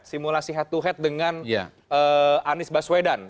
simulasi head to head dengan anies baswedan